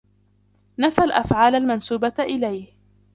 نفى الأفعال المنسوبة إليه.